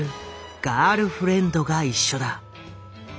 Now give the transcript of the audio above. ガールフレンドが一緒だ。